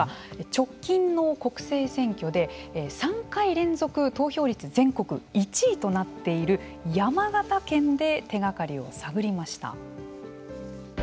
直近の国政選挙で３回連続投票率全国１位となっている山形県で手がかりを探りました。